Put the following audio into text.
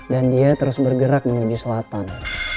dan dia terus bergerak menuju selatan